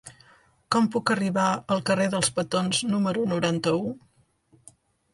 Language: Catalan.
Com puc arribar al carrer dels Petons número noranta-u?